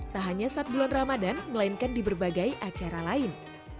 tak hanya saat bulan ramadan melainkan di berbagai acara lain